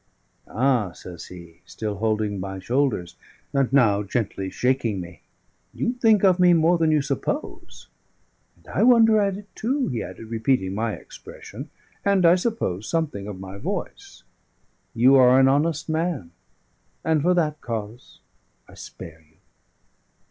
"Ah!" says he, still holding my shoulders, and now gently shaking me, "you think of me more than you suppose. 'And I wonder at it too,'" he added, repeating my expression and, I suppose, something of my voice. "You are an honest man, and for that cause I spare you."